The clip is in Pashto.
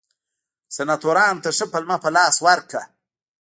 سناتورانو ته ښه پلمه په لاس ورکړه.